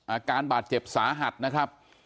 อาการบาดเจ็บสาหัสนะครับ